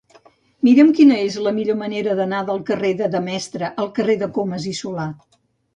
Mira'm quina és la millor manera d'anar del carrer de Demestre al carrer de Comas i Solà.